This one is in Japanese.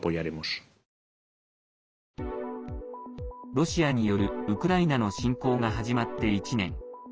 ロシアによるウクライナの侵攻が始まって１年。